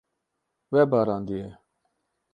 We barandiye.